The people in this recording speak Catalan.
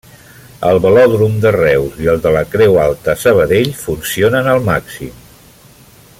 El velòdrom de Reus i el de la Creu Alta a Sabadell funcionen al màxim.